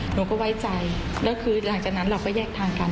หนูก็ไว้ใจแล้วคือหลังจากนั้นเราก็แยกทางกัน